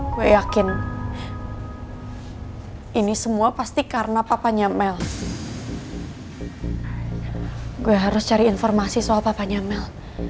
gue yakin ini semua pasti karena papanya mels gue harus cari informasi soal papanya mel